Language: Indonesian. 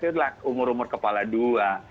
itu adalah umur umur kepala dua